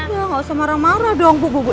ya nggak usah marah marah dong bu